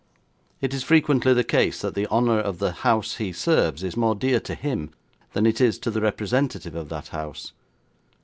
It is frequently the case that the honour of the house he serves is more dear to him than it is to the representative of that house.